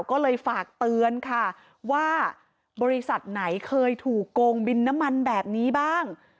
ก็เลยฝากเตือนค่ะว่าบริษัทไหนเคยถูกโกงบินน้ำมันแบบนี้บ้าง